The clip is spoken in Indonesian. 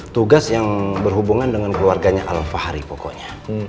tugas yang berhubungan dengan keluarganya al fahri pokoknya